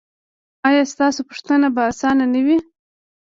ایا ستاسو پوښتنه به اسانه نه وي؟